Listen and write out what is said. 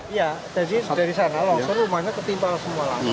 iya jadi dari sana longsor rumahnya ketimpa langsung